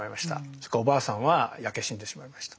それからおばあさんは焼け死んでしまいました。